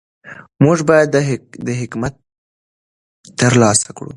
موږ باید دا حکمت ترلاسه کړو.